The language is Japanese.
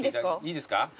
いいですか？